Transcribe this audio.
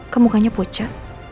kamu bukannya pucat